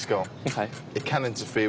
はい。